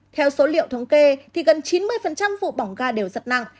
theo số liệu thống kê thì gần chín mươi vụ bỏng ga đều rất nặng